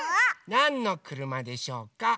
なんのくるまでしょうか？